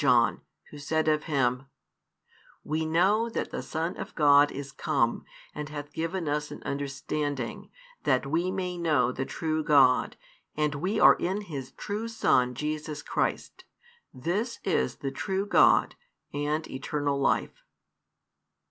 John, who said of Him: We know that the Son of God is come, and hath given us an understanding, that we may know the true God, and we are in His true Son Jesus Christ: this is the true God, and eternal life."